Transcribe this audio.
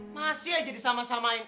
masih aja disamain samain